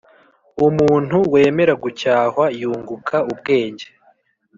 umuntu wemera gucyahwa yunguka ubwenge